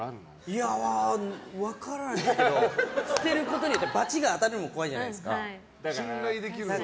いや分からないんですけど捨てることによって罰が当たるのも怖いじゃないですか。